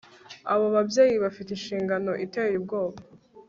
abo babyeyi bafite inshingano iteye ubwoba